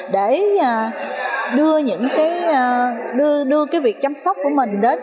để đưa những cái đưa cái việc chăm sóc của mình về công nhân lao động